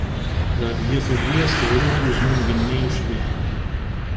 Dehbiya tugi ad as-tebru i wezmumeg-nni ucbiḥ.